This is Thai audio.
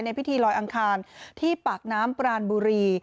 พิธีลอยอังคารที่ปากน้ำปรานบุรี